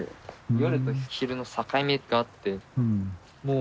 夜と昼の境目があってもう。